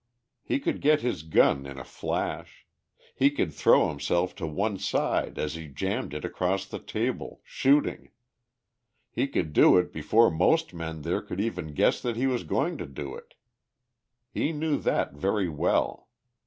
He could get his gun in a flash; he could throw himself to one side as he jammed it across the table, shooting; he could do it before most men there could even guess that he was going to do it. He knew that very well.